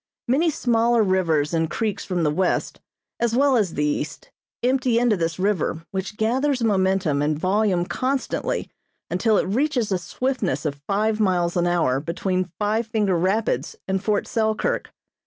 Many smaller rivers and creeks from the west as well as the east empty into this river which gathers momentum and volume constantly until it reaches a swiftness of five miles an hour between Five Finger Rapids and Fort Selkirk.